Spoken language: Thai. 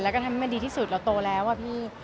แล้วก็ทำให้มันดีที่สุดเราโตแล้วอะพี่